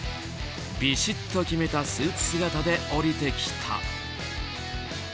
びしっと決めたスーツ姿で降りてきた。